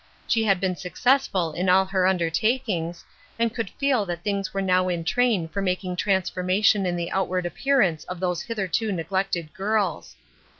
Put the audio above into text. She had been successful in all her undertakings, and could feel that things were now in train for making transfor mation in tlie outward appearance of these hith erto neglected girls.